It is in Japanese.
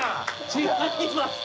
違います！